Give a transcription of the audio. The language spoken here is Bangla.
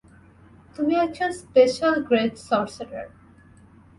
তুমি একজন স্পেশাল গ্রেড সর্সারার।